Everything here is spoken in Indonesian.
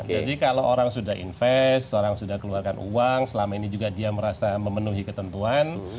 jadi kalau orang sudah investasi orang sudah keluarkan uang selama ini juga dia merasa memenuhi ketentuan